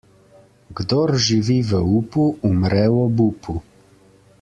Kdor živi v upu, umre v obupu.